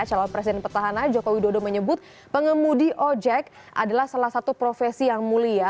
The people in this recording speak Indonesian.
calon presiden petahana joko widodo menyebut pengemudi ojek adalah salah satu profesi yang mulia